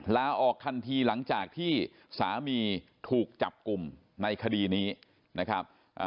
ลาออกทันทีหลังจากที่สามีถูกจับกลุ่มในคดีนี้นะครับ